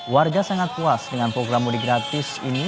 warga sangat puas dengan program mudik gratis ini